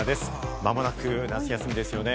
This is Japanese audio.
間もなく夏休みですよね。